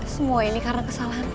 semua ini karena kesalahan